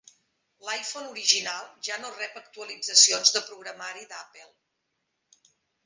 L'iPhone original ja no rep actualitzacions de programari d'Apple.